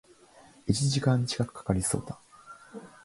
一時間近く掛かりそうだ